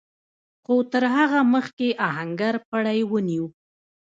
خو تر هغه مخکې آهنګر پړی ونيو.